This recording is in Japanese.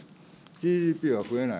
ＧＤＰは増えない。